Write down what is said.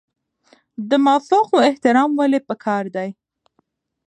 د مافوق احترام ولې پکار دی؟